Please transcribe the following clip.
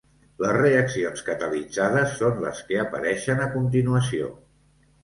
Les reaccions catalitzades són les que apareixen a continuació.